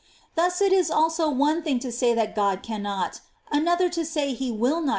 Thus it is also one thing to §ay that God cannot, another to say he will not * 1 Tim.